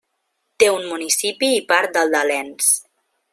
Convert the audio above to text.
Té un municipi i part del de Lens.